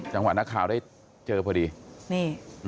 จังหวะนักข่าวได้เจอพอดี